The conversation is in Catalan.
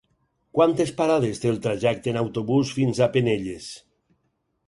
Quantes parades té el trajecte en autobús fins a Penelles?